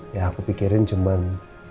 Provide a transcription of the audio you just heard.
ya aku pikirin cuman